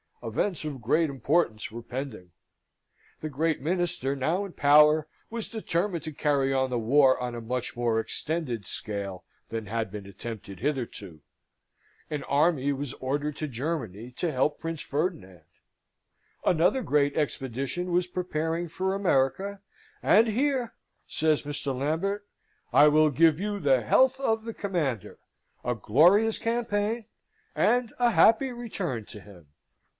Events of great importance were pending. The great minister now in power was determined to carry on the war on a much more extended scale than had been attempted hitherto: an army was ordered to Germany to help Prince Ferdinand, another great expedition was preparing for America, and here, says Mr. Lambert, "I will give you the health of the Commander a glorious campaign, and a happy return to him!"